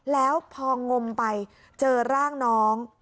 แล้วพองมไปเจอร่างน้อง